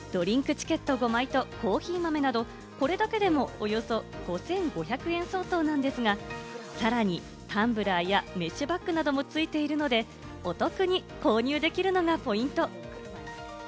チケット５枚とコーヒー豆など、これだけでもおよそ５５００円相当なんですが、さらにタンブラーやメッシュバッグなども付いているので、お得に購入できるのがポイント。